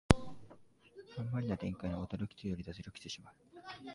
あんまりな展開に驚きというより脱力してしまう